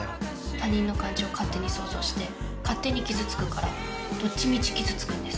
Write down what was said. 他人の感情勝手に想像して勝手に傷つくからどっちみち傷つくんです。